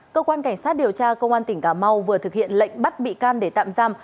cơ quan cảnh sát điều tra công an tỉnh cà mau vừa thực hiện lệnh bắt bị can để tạm giam